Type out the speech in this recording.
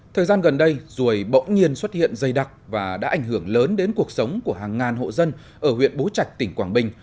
thời gian gần đây ruồi bỗng nhiên xuất hiện dày đặc và đã ảnh hưởng lớn đến cuộc sống của hàng ngàn hộ dân ở huyện bố trạch tỉnh quảng bình